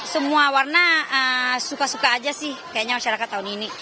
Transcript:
semua warna suka suka aja sih kayaknya masyarakat tahun ini